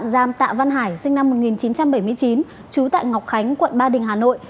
tạm tạ văn hải sinh năm một nghìn chín trăm bảy mươi chín trú tại ngọc khánh quận ba đình hà nội